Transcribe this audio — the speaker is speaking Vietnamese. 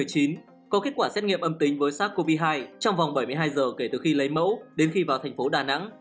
có kết quả xét nghiệm âm tính với sars cov hai trong vòng bảy mươi hai giờ kể từ khi lấy mẫu đến khi vào thành phố đà nẵng